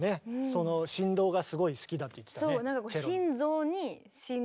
その振動がすごい好きだって言ってたね。